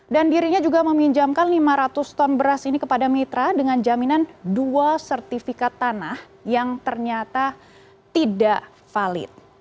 dan dirinya juga meminjamkan lima ratus ton beras ini kepada mitra dengan jaminan dua sertifikat tanah yang ternyata tidak valid